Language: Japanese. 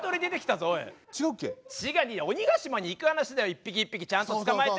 鬼ヶ島に行く話だよ一匹一匹ちゃんと捕まえて。